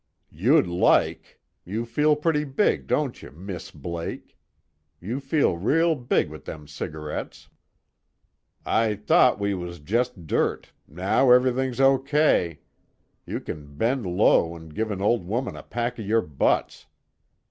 "You'd like.... You feel pretty big, don't you, Miss Blake? You feel real big wit' them cigarettes. I t'ought we was just dirt, now everyt'ing's okay, you can bend low 'n' give an old woman a pack of your butts."